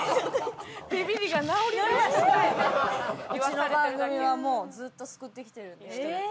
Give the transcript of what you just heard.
うちの番組はもうずっと救ってきてる人々を。